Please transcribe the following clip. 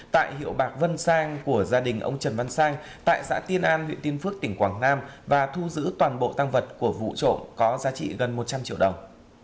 tại hiệu bạc vân sang của gia đình ông trần văn sang tại xã tiên an huyện tiên phước tỉnh quảng nam và thu giữ toàn bộ tăng vật của vụ trộm có giá trị gần một trăm linh triệu đồng